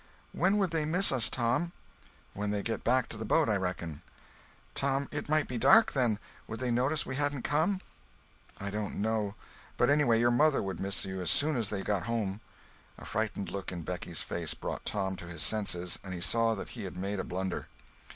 "When would they miss us, Tom?" "When they get back to the boat, I reckon." "Tom, it might be dark then—would they notice we hadn't come?" "I don't know. But anyway, your mother would miss you as soon as they got home." A frightened look in Becky's face brought Tom to his senses and he saw that he had made a blunder.